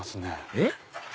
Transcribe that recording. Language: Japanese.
えっ？